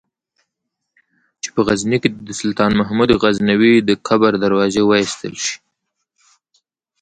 چې په غزني کې دې د سلطان محمود غزنوي د قبر دروازې وایستل شي.